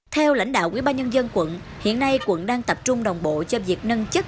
theo lãnh đạo quỹ ba nhân dân quận hiện nay quận đang tập trung đồng bộ cho việc nâng chất